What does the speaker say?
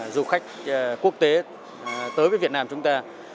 du khách quốc tế tới với việt nam chúng ta